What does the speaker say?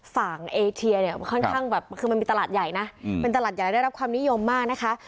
เอเทียเนี่ยค่อนข้างแบบคือมันมีตลาดใหญ่นะเป็นตลาดใหญ่ได้รับความนิยมมากนะคะ